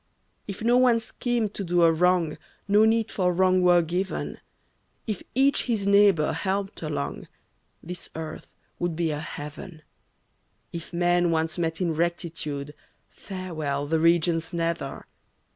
If no one schemed to do a wrong, No need for wrong were given; If each his neighbor helped along, This earth would be a heaven; If men once met in rectitude, Farewell, the regions nether.